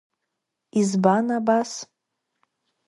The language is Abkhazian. Избан, Абас?